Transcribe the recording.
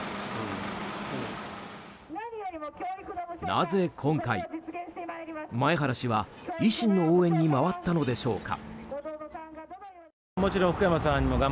なぜ今回、前原氏は維新の応援に回ったのでしょうか。